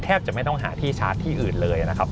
จะไม่ต้องหาที่ชาร์จที่อื่นเลยนะครับ